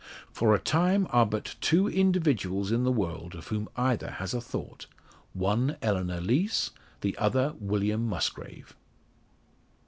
For a time are but two individuals in the world of whom either has a thought one Eleanor Lees, the other William Musgrave.